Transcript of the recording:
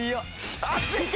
あっちい！